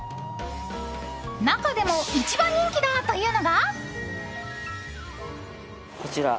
中でも一番人気だというのが。